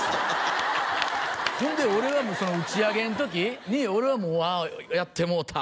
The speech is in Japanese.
ほんで俺は打ち上げの時に俺はもう「やってもうた」